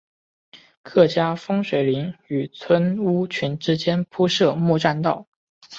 客家风水林与村屋群之间铺设木栈道。